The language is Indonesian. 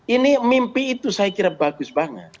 ini mimpi itu saya kira bagus banget